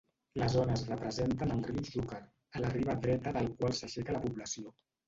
Les ones representen el riu Xúquer, a la riba dreta del qual s'aixeca la població.